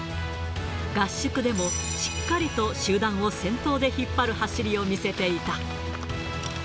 合宿でもしっかりと集団を先頭で引っ張る走りを見せていた。